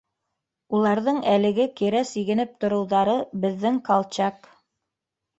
Уларҙың әлеге кире сигенеп тороуҙары, беҙҙең Колчак.